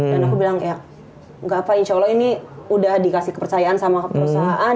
dan aku bilang ya gak apa insya allah ini udah dikasih kepercayaan sama perusahaan